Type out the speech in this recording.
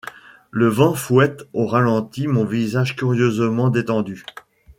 Le vent fouette au ralenti mon visage curieusement détendu.